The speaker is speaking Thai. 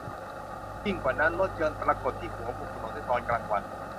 ยิ่งกว่านั้น รถยนต์ปรากฏที่หัวมุมถนนในตอนกลางวัน